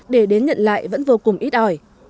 để đến nhận lại vẫn vô cùng ít ỏi